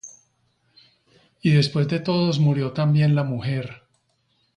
Y después de todos murió también la mujer.